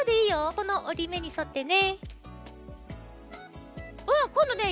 このおりめにそってね。